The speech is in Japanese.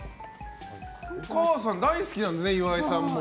お母さん大好きなんでね岩井さんも。